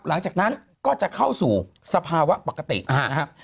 หลังจากนั้นก็จะเข้าสู่สภาวะปกตินะครับ